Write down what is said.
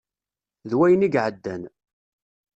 D wayen i iɛeddan.